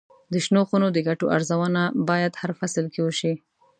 د شنو خونو د ګټو ارزونه باید هر فصل کې وشي.